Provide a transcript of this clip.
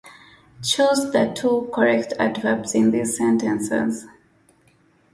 Choose the two correct adverbs in these sentences.